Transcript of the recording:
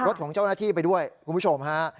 รถของเจ้าหน้าที่ไปด้วยคุณผู้ชมฮะ